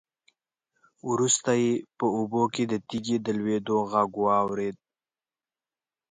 وروسته يې په اوبو کې د تېږې د لوېدو غږ واورېد.